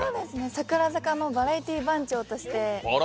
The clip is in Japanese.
桜坂のバラエティー番長として。